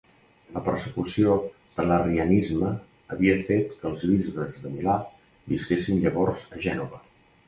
La persecució de l'arrianisme havia fet que els bisbes de Milà visquessin llavors a Gènova.